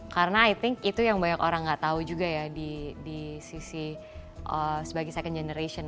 karena i think itu yang banyak orang gak tau juga ya di sisi sebagai second generation